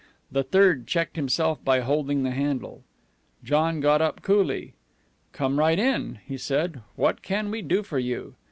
The third checked himself by holding the handle. John got up coolly. "Come right in," he said. "What can we do for you?"